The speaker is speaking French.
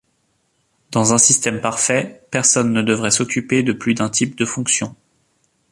Dans un système parfait, personne ne devrait s'occuper de plus d'un type de fonction.